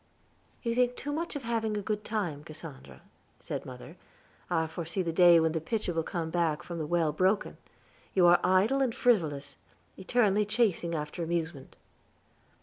"You think too much of having a good time, Cassandra," said mother. "I foresee the day when the pitcher will come back from the well broken. You are idle and frivolous; eternally chasing after amusement."